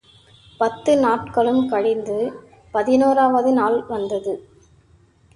பத்து நாட்களும் கழிந்து பதினோராவது நாள் வந்தது.